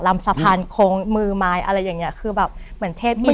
ลำสะพานโค้งมือไม้อะไรอย่างเงี้ยคือแบบเหมือนเทพมีด